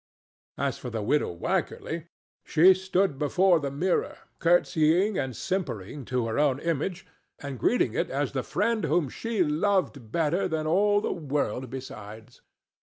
As for the widow Wycherly, she stood before the mirror courtesying and simpering to her own image and greeting it as the friend whom she loved better than all the world besides.